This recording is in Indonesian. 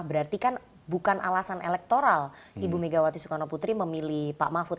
berarti kan bukan alasan elektoral ibu megawati soekarno putri memilih pak mahfud